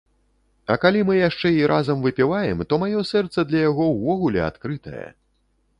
А калі мы яшчэ і разам выпіваем, то маё сэрца для яго ўвогуле адкрытае.